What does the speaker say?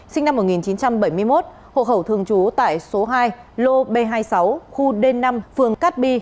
sinh năm một nghìn chín trăm bảy mươi một hộ khẩu thường trú tại số hai lô b hai mươi sáu khu d năm phường cát bi